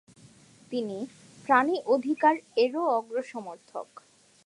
তিনি 'প্রাণী অধিকার' এরও অগ্র সমর্থক।